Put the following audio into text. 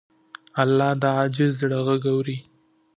الله د عاجز زړه غږ اوري.